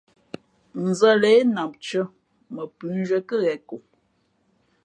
Nzα̌ lě, nam tʉ̄ᾱ, mα pʉ̌nzhwíé kάghěn ko.